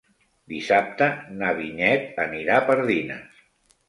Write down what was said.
Dissabte na Vinyet anirà a Pardines.